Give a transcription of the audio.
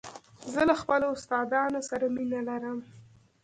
زه له خپلو استادانو سره مینه لرم.